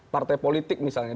partai politik misalnya